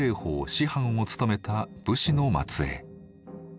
師範を務めた武士の末えい。